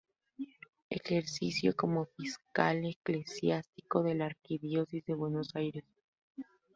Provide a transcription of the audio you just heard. Ejerció como fiscal eclesiástico de la arquidiócesis de Buenos Aires.